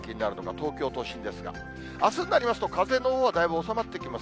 東京都心ですが、あすになりますと、風のほうはだいぶ収まってきます。